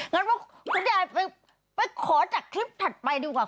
งั้นว่าคุณยายไปขอจากคลิปถัดไปดูก่อน